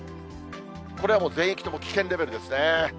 これはもう全域とも危険レベルですね。